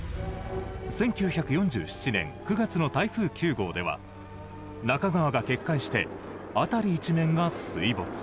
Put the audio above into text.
１９４７年９月の台風９号では中川が決壊して辺り一面が水没。